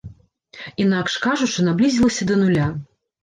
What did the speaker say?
Інакш кажучы, наблізілася да нуля.